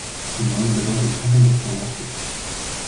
Ihr Name bedeutet „Herrin des Palastes“.